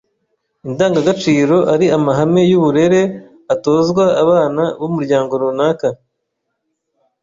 Indangaciro ari amahame y’uburere atozwa abana b’umuryango runaka.